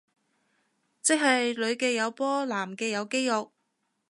即係女嘅有波男嘅有肌肉